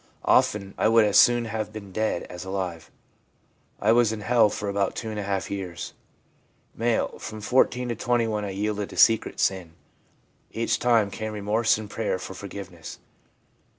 Often I would as soon have been dead as alive. I was in hell for about two and a half years.' M. ' From 14 to 21 I yielded to secret sin. Each time came remorse and prayer for forgiveness.